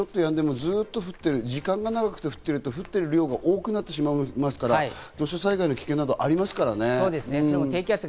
ずっと降ってる、長く降っていると降っている量が多くなりますから土砂災害の危険などがありますからね。